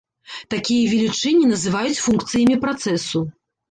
Такія велічыні называюць функцыямі працэсу.